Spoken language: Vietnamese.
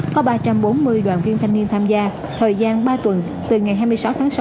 có ba trăm bốn mươi đoàn viên thanh niên tham gia thời gian ba tuần từ ngày hai mươi sáu tháng sáu